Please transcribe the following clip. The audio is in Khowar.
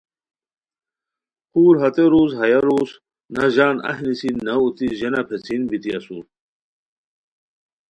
خور ہتے روز ہیہ روز نہ ژان اہی نیسی نہ اوتی ژینہ پیڅھین بیتی اسور